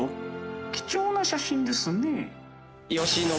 貴重な写真ですね。